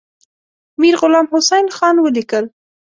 میرغلام حسین خان ولیکل.